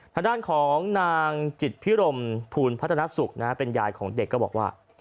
ทางด้านของนางจิตพิรมภูลพัฒนสุขเป็นยายของเด็กก็บอกว่า